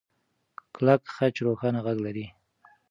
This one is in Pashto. کلک خج روښانه غږ لري.